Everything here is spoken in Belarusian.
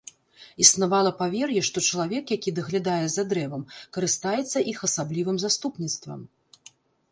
Існавала павер'е, што чалавек, які даглядае за дрэвам, карыстаецца іх асаблівым заступніцтвам.